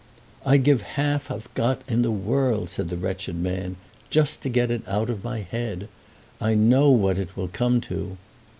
"I'd give half I've got in all the world," said the wretched man, "just to get it out of my head. I know what it will come to."